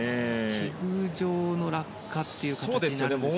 器具上の落下ということになるんですかね。